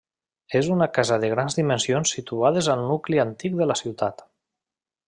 És una casa de grans dimensions situades al nucli antic de la ciutat.